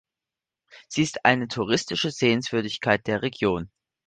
Sie ist eine touristische Sehenswürdigkeit der Region.